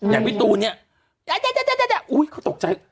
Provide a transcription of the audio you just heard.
อย่างพี่ตูนเนี่ยเขาตกใจ